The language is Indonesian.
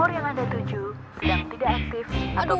nomor yang ada tujuh sedang tidak aktif